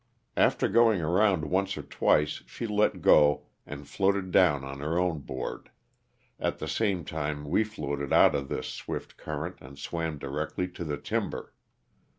After going around once or twice she let go and floated down on her own board, at the same time we floated out of this swift current and swam directly to the timber.